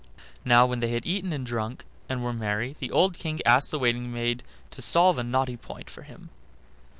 Now when they had eaten and drunk, and were merry, the old King asked the waiting maid to solve a knotty point for him.